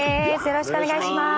よろしくお願いします！